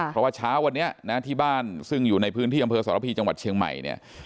เพราะว่าเช้าวันนี้นะที่บ้านซึ่งอยู่ในพื้นที่อำเภอสรพีจังหวัดเชียงใหม่เนี่ย